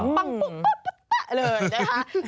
ปังปุ๊บปุ๊บปุ๊บปะเลยนะครับ